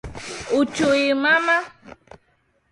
chui mamba na anakonda wana uhusiano wa karibu